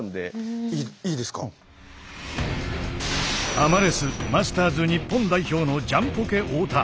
アマレスマスターズ日本代表のジャンポケ太田。